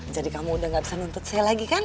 jadi kamu udah gak bisa nuntut saya lagi kan